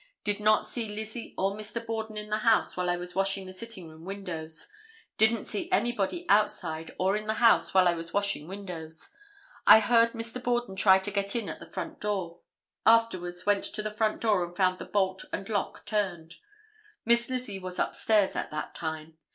Did not see Lizzie or Mr. Borden in the house while I was washing the sitting room windows. Didn't see anybody outside or in the house while I was washing windows. I heard Mr. Borden try to get in at the front door. Afterwards went to the front door and found the bolt and lock turned. Miss Lizzie was upstairs at that time.